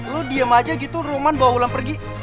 lo diem aja gitu roman bawa wulan pergi